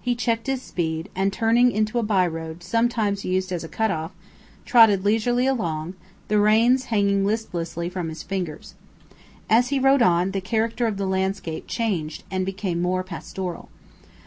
He checked his speed, and, turning into a by road, sometimes used as a cutoff, trotted leisurely along, the reins hanging listlessly from his fingers. As he rode on, the character of the landscape changed and became more pastoral.